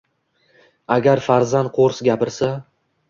Agar farzand qo'rs gapirsa.